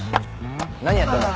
何やってんの？